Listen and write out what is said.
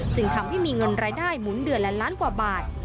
จึงทำให้มีเงินรายได้หมุนเดือนละล้านกว่าบาท